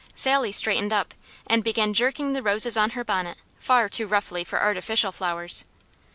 Sally straightened up and began jerking the roses on her bonnet far too roughly for artificial flowers.